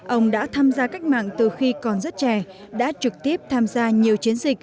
ông đã tham gia cách mạng từ khi còn rất trẻ đã trực tiếp tham gia nhiều chiến dịch